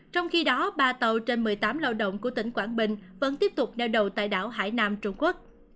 trong khi đó ba tàu trên một mươi tám lao động của tỉnh quảng bình vẫn tiếp tục neo đầu tại đảo hải nam trung quốc